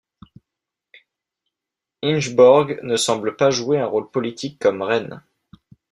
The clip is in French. Ingeborg ne semble pas jouer un rôle politique comme reine.